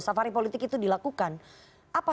safari politik itu dilakukan apa